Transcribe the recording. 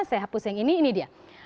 saya hapus yang ini ini dia